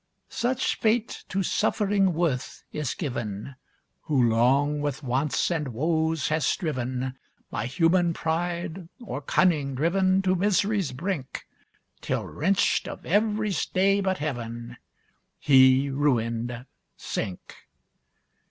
Such fate to suffering worth is given, Who long with wants and woes has striven, By human pride or cunning driven To mis'ry's brink, Till wrenched of every stay but Heaven, He, ruined, sink!